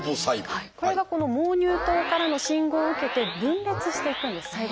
これがこの「毛乳頭」からの信号を受けて分裂していくんです細胞分裂。